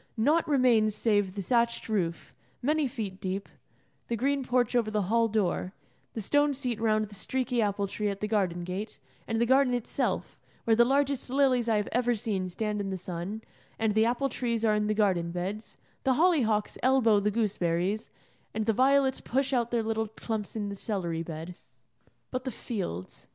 Naught remains save the thatched roof, many feet deep, the green porch over the hall door, the stone seat round the streaky apple tree at the garden gate, and the garden itself, where the largest lilies I have ever seen stand in the sun, and the apple trees are in the garden beds, the holly hocks elbow the gooseberries, and the violets push out their little clumps in the celery bed. But the fields.